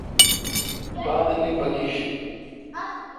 بادبی بگھیݭ۔